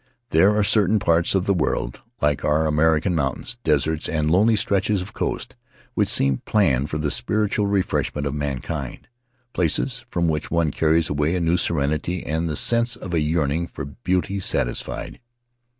There are certain parts of the world — like our American mountains, deserts, and lonely stretches of coast — which seem planned for the spiritual refreshment of mankind; places from which one carries away a new serenity and the sense of a yearning for beauty satisfied.